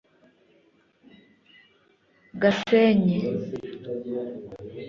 Gasenyi